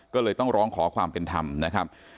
ก็เลยต้องร้องขอความเป็นธรรมนะครับ